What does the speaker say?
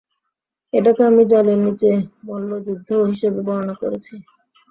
এটাকে আমি জলের নীচে মল্লযুদ্ধ হিসেবে বর্ণনা করেছি।